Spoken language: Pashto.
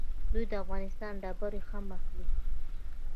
دوی د افغانستان ډبرې هم اخلي.